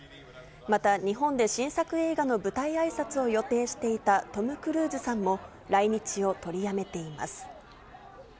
また、日本で新作映画の舞台あいさつを予定していたトム・クルーズさんも、来日を取りやめています。